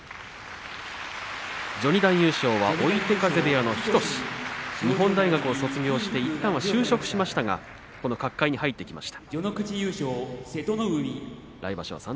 序二段優勝は追手風部屋、日翔志日本大学を卒業して就職しましたが角界に入ってきました。